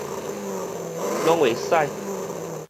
攏會使